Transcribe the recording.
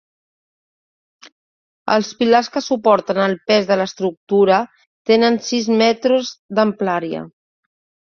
Els pilars que suporten el pes de l'estructura tenen sis metres d'amplària.